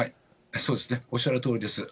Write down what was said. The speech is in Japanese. そうですね、おっしゃるとおりです。